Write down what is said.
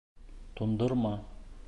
ТУҢДЫРМА